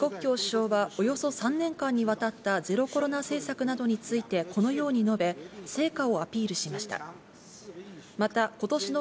リ・コッキョウ首相はおよそ３年間にわたったゼロコロナ政策などについて、このように述べ、成果をアピールしました。